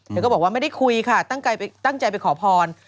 ก็บอกว่าไม่ได้คุยค่ะตั้งใจไปขอพร